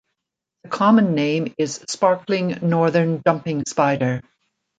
The common name is sparkling northern jumping spider.